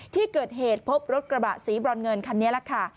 ที่เกิดเหตุพบรถกระบะสีบรอนเงินคันนี้แหละค่ะ